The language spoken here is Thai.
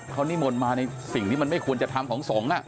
เขานิมนต์มาในสิ่งที่มันไม่ควรจะทำของสงฆ์